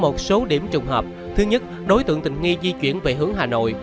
một tổ trinh sát đã lập tức di chuyển về hà nội